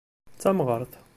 D tamɣart.